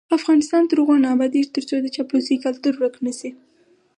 افغانستان تر هغو نه ابادیږي، ترڅو د چاپلوسۍ کلتور ورک نشي.